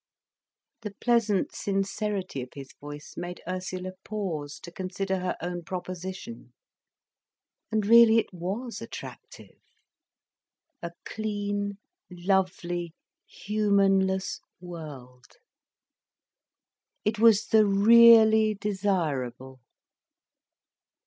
The pleasant sincerity of his voice made Ursula pause to consider her own proposition. And really it was attractive: a clean, lovely, humanless world. It was the really desirable.